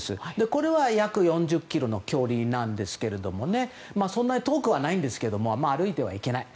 これは約４０ｋｍの距離なんですがそんなに遠くはないんですが歩いては行けない。